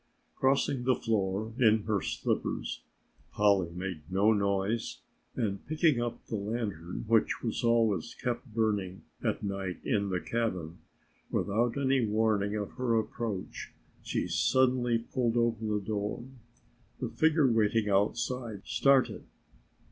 Crossing the floor in her slippers Polly made no noise and picking up the lantern which was always kept burning at night in the cabin, without any warning of her approach she suddenly pulled open the door. The figure waiting outside started.